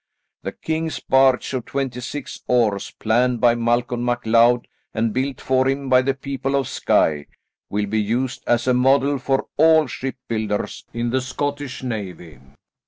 The King's barge of twenty six oars, planned by Malcolm MacLeod and built for him by the people of Skye, will be used as a model for all ship builders in the Scottish navy."